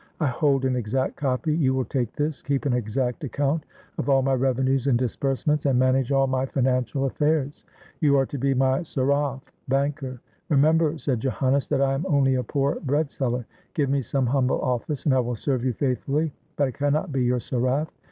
I hold an exact copy. You will take this, keep an exact account of all my revenues and disburse ments, and manage all my financial affairs. You are to be my saraff" (banker). "Remember, " said Joannes, "that I am only a poor breadseller. Give me some humble office, and I will serve you faithfully; but I can not be your sarajf."